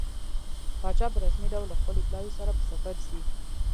پاچا په رسمي ډول له خپل پلاوي سره په سفر ځي.